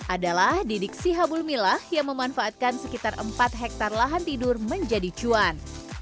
adalah didik si habul milah yang memanfaatkan sekitar empat hektare lahan tidur menjadi cuan